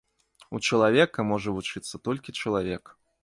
У чалавека можа вучыцца толькі чалавек.